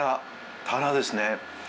タラですね。